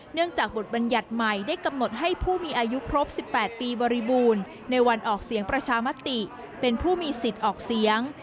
จากบทบัญญัติใหม่ได้กำหนดให้ผู้มีอายุครบ๑๘ปีบริบูรณ์ในวันออกเสียงประชามติเป็นผู้มีสิทธิ์ออกเสียง